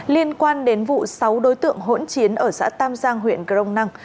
liên quan đến vụ sáu đối tượng hỗn chiến ở xã tam giang huyện crong năng